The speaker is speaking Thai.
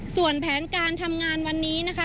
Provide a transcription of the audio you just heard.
ส่วนแผนการทำงานวันนี้นะคะ